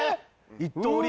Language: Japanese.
１通り。